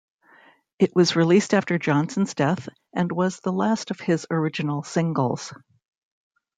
It was released after Johnson's death and was the last of his original singles.